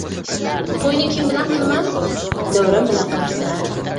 -توينى كىم بىلەن قىلىمەن؟ -نەۋرەم بىلەن قىلىسەن.